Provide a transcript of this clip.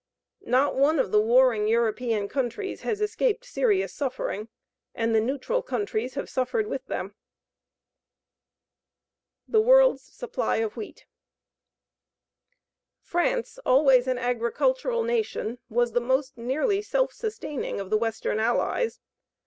Not one of the warring European countries has escaped serious suffering, and the neutral countries have suffered with them. THE WORLD'S SUPPLY OF WHEAT France, always an agricultural nation, was the most nearly self sustaining of the western Allies.